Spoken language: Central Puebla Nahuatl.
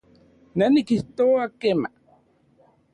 Ne nikijtoa kema